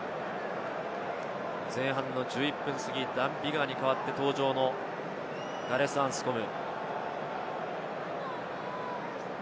前半１１分過ぎ、ダン・ビガーに代わって登場のガレス・アンスコム。